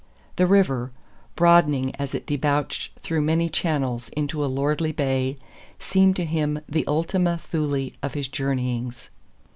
The river, broadening as it debouched through many channels into a lordly bay, seemed to him the ULTIMA THULE of his journeyings.